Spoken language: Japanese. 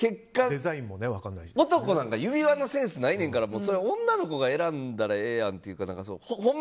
男なんか指輪のセンスないねんからそれ、女の子が選んだらええやんというか。